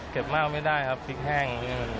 มากไม่ได้ครับพริกแห้ง